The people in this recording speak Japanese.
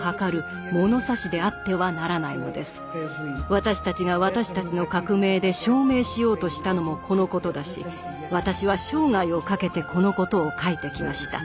私たちが私たちの革命で証明しようとしたのもこのことだし私は生涯をかけてこのことを書いてきました。